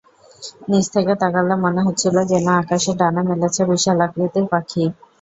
নিচ থেকে তাকালে মনে হচ্ছিল যেন আকাশে ডানা মেলেছে বিশাল আকৃতির পাখি।